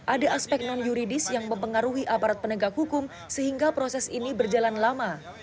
ada aspek non yuridis yang mempengaruhi aparat penegak hukum sehingga proses ini berjalan lama